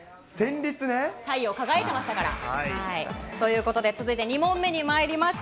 太陽輝いてましたから。ということで、続いて、２問目にまいります。